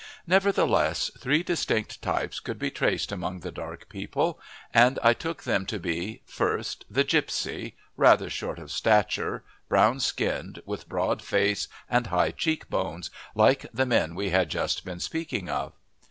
Nevertheless three distinct types could be traced among the dark people, and I took them to be, first, the gipsy, rather short of stature, brown skinned, with broad face and high cheek bones, like the men we had just been speaking of.